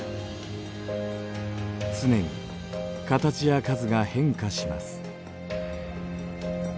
常に形や数が変化します。